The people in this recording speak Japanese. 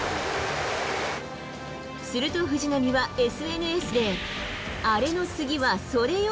すると藤浪は、ＳＮＳで、アレの次はソレよ。